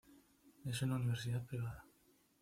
Es una universidad privada.